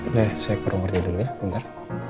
udah saya ke rumah kerja dulu ya bentar